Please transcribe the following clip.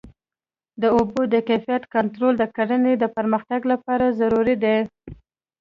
د اوبو د کیفیت کنټرول د کرنې د پرمختګ لپاره ضروري دی.